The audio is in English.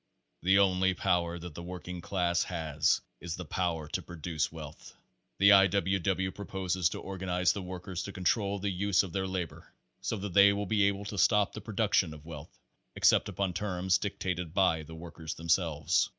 The only power that the working class has is the , power to produce wealth. The I. W. W. proposes to or ganize the workers to control the use of their labor so that they will be able to stop the production of wealth except upon terms dictated by the workers themselves.